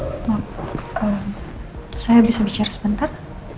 saya bisa bicara sebentar